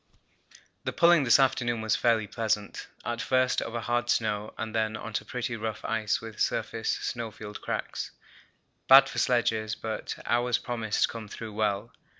The pulling this afternoon was fairly pleasant; at first over hard snow, and then on to pretty rough ice with surface snowfield cracks, bad for sledges, but ours promised to come through well.